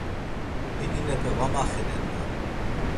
Hininepe va maxenen, ma.